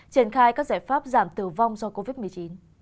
triển khai các giải pháp giảm tử vong do covid một mươi chín